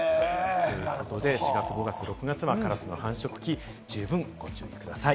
４月、５月、６月はカラスの繁殖期、十分にお気をつけください。